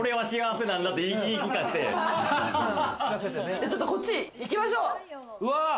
じゃあ、ちょっとこっち行きましょう。